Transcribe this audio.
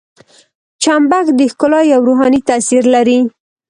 چمبک د ښکلا یو روحاني تاثیر لري.